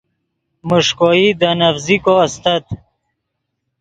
میݰکوئی دے نڤزیکو استت